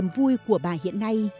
vui của bà hiện nay